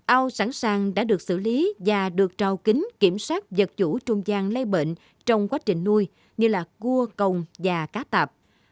ao sẵn sàng đã được xử lý và được trào kính kiểm soát vật chủ trung gian lây bệnh trong quá trình nuôi như là cua cồng và cá tạp